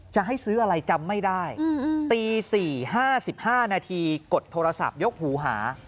จะให้ซื้ออะไรจำไม่ได้ตี๔๕๕นาทีกดโทรศัพท์ยกหูหา